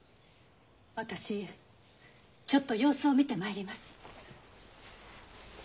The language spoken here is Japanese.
私ちょっと様子を見てまいります。